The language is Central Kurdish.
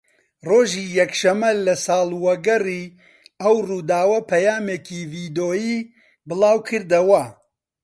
ڕۆژی یەکشەمە لە ساڵوەگەڕی ئەو ڕووداوە پەیامێکی ڤیدۆیی بڵاوکردەوە